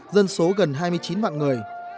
dân số gần hai mươi chín người